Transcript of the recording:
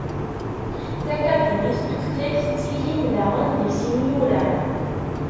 Takadimit n tutlayt ttilin daɣen deg-s imyura.